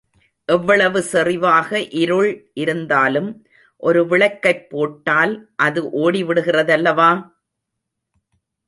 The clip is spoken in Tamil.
எவ்வளவு செறிவாக இருள் இருந்தாலும் ஒரு விளக்கைப் போட்டால் அது ஒடிவிடுகிறதல்லவா?